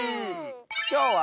きょうは。